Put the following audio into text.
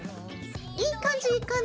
いい感じいい感じ。